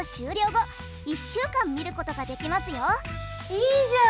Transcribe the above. いいじゃん！